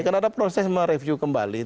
karena ada proses mereview kembali